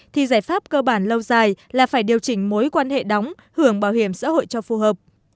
thì giải pháp cơ bản lâu dài là phải điều chỉnh mối quan hệ đóng hưởng bảo hiểm xã hội cho phù hợp